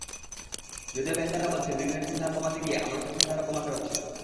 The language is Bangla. যদিও ব্যাংকাররা বলছেন, ঋণের সুদহার কমাতে গিয়ে আমানতের সুদহারও কমাতে হচ্ছে।